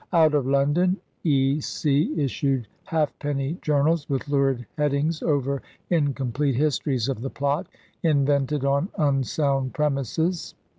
Out of London E.C. issued halfpenny journals with lurid headings over incomplete histories of the plot, invented on unsound premises.